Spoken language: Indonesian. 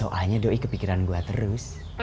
soalnya doi kepikiran gua terus